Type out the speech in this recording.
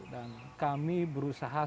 dan kami berusaha